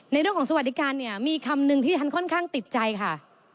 ในเรื่องของสวัสดิการเนี่ยมีคำหนึ่งที่ฉันค่อนข้างติดใจค่ะ